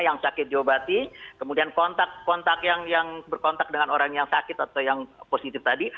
yang sakit diobati kemudian kontak yang berkontak dengan orang yang sakit atau yang positif tadi